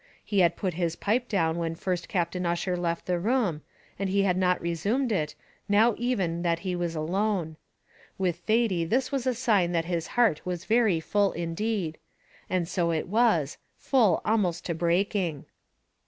He had put his pipe down when first Captain Ussher left the room, and he had not resumed it, now even that he was alone. With Thady this was a sign that his heart was very full indeed; and so it was, full almost to breaking.